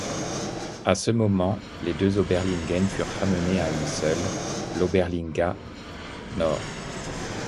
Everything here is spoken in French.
À ce moment, les deux Oberligen furent ramenées à une seule: l’Oberliga Nord.